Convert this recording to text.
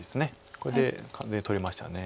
これで完全に取れましたよね。